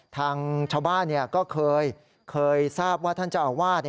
ทางชาวบ้านก็เคยทราบว่าท่านเจ้าอาวาส